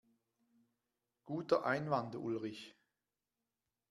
Guter Einwand, Ulrich.